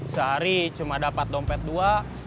sehari cuma dapat dompet dua